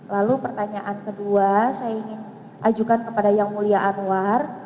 lalu pertanyaan kedua saya ingin ajukan kepada yang mulia anwar